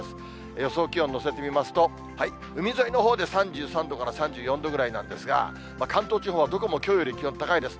予想気温乗せてみますと、海沿いのほうで３３度から３４度ぐらいなんですが、関東地方はどこもきょうより気温高いです。